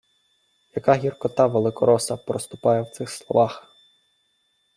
Яка гіркота великороса проступає в цих словах!